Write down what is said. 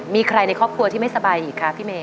มีใครในครอบครัวที่ไม่สบายอีกคะพี่เมย